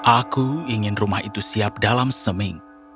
aku ingin rumah itu siap dalam seminggu